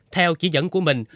theo chỉ dẫn của minh